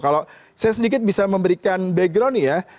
kalau saya sedikit bisa memberikan background nih ya